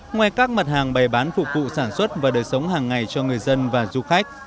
ngoài các mặt hàng bày bán phục vụ sản xuất và đời sống hàng ngày cho người dân và du khách